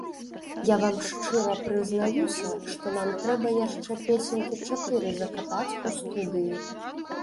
Я вам шчыра прызнаюся, што нам трэба яшчэ песенькі чатыры закатаць у студыі.